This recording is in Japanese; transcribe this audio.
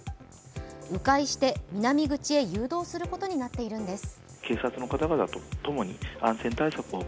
う回して南口へ誘導することになっているんです。